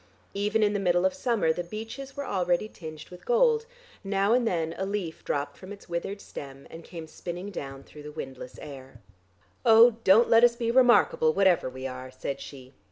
Even in the middle of summer the beeches were already tinged with gold; now and then a leaf dropped from its withered stem, and came spinning down through the windless air. "Oh, don't let us be remarkable whatever we are," said she.